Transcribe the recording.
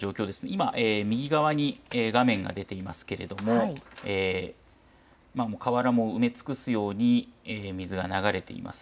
今、右側に画面が出ていますが河原を埋め尽くすように水が流れています。